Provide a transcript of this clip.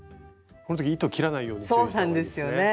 この時糸切らないように注意した方がいいですね。